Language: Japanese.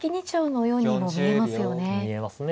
一石二鳥のようにも見えますよね。